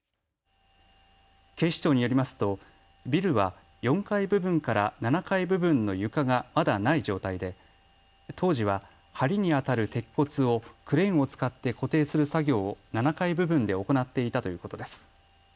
警視庁によりますとビルは４階部分から７階部分の床がまだない状態で当時ははりにあたる鉄骨をクレーンを使って固定する作業を７階部分で行っていたということです。